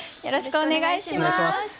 よろしくお願いします。